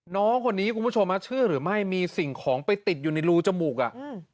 น้องคนนี้คุณผู้ชมฮะเชื่อหรือไม่มีสิ่งของไปติดอยู่ในรูจมูกอ่ะอืม